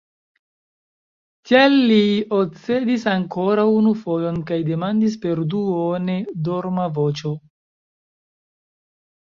Tial li oscedis ankoraŭ unu fojon kaj demandis per duone dorma voĉo.